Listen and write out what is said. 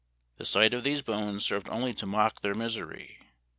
The sight of these bones served only to mock their misery.